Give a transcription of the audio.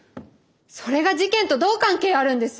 それが事件とどう関係あるんです？